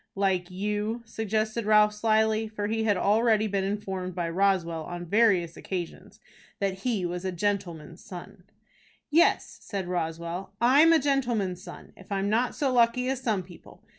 "Like you," suggested Ralph, slyly; for he had already been informed by Roswell, on various occasions, that he was "a gentleman's son." "Yes," said Roswell, "I'm a gentleman's son, if I'm not so lucky as some people.